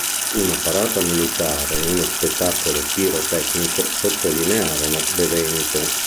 Una parata militare e uno spettacolo pirotecnico sottolinearono l'evento.